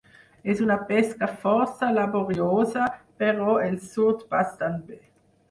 És una pesca força laboriosa, però els surt bastant bé.